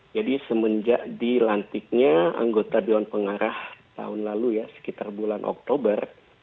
jadi semenjak dilantiknya anggota dewan pengarah tahun lalu ya sekitar bulan oktober